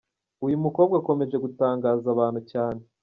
Uyu mukobwa akomeje gutangaza abantu cyane.